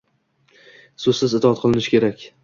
so‘zsiz itoat qilinishi edi